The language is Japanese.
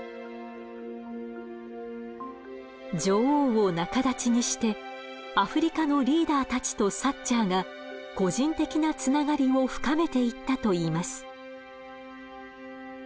女王を仲立ちにしてアフリカのリーダーたちとサッチャーが個人的なつながりを深めていったといいます。